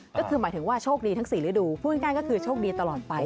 ก็คือหมายถึงว่าโชคดีทั้ง๔ฤดูพูดง่ายก็คือโชคดีตลอดไป